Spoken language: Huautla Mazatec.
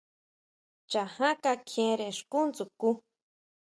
Chaján kakjiénre xkú dsjukʼu.